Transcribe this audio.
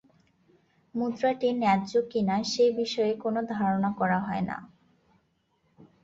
মুদ্রাটি ন্যায্য কিনা সে বিষয়ে কোনো ধারণা করা হয় না।